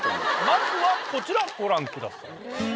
まずはこちらご覧ください。